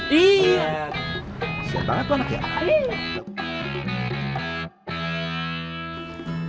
siap banget anak ya